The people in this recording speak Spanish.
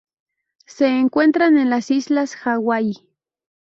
Se encuentran en las Islas Hawái.